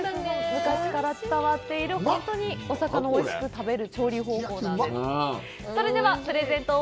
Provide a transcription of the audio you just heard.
昔から伝わっている、本当にお魚をおいしく食べる調理方法です。